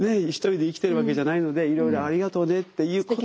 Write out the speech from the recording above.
一人で生きてるわけじゃないのでいろいろありがとうねっていう。